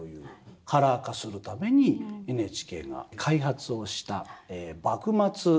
カラー化するためにＮＨＫが開発をした幕末時代劇ＡＩ。